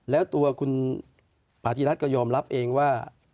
แล้วตัวคุณปฏิรัติก็ยอมรับเองว่า